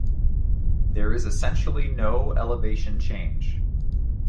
There is essentially no elevation change.